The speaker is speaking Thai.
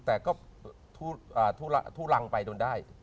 แต่ก็ทุทาลังไปว่าโดนได้